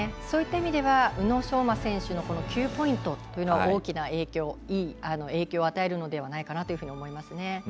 そういった意味では宇野昌磨選手の９ポイントは大きな影響、いい影響を与えるんじゃないかと思いますね。